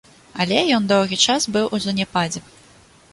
Але ён доўгі час быў у заняпадзе.